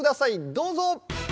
どうぞ。